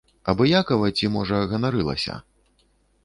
Абыякава ці, можа, ганарылася?